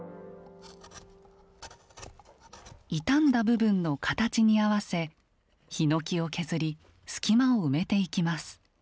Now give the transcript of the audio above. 傷んだ部分の形に合わせヒノキを削り隙間を埋めていきます。